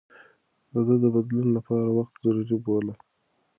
ده د بدلون لپاره وخت ضروري باله.